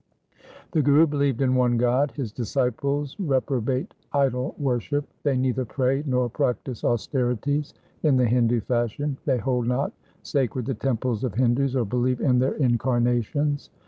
The Guru believed in one God. His disciples reprobate idol worship. They neither pray nor practise austerities in the Hindu fashion. They hold not sacred the temples of Hindus, or believe in their incarnations.